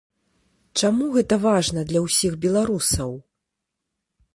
Чаму гэта важна для ўсіх беларусаў?